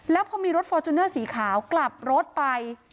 แล้วพอมีรถฟอร์จูเนอร์สีขาวกลับรถไป